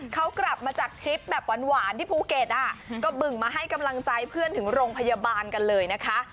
เขากลับมาจากทริปแบบหวานที่ภูเก็ตก็บึงมาให้กำลังใจเพื่อนถึงโรงพยาบาลกันเลยนะคะ